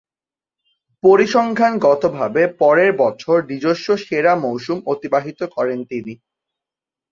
পরিসংখ্যানগতভাবে পরের বছর নিজস্ব সেরা মৌসুম অতিবাহিত করেন তিনি।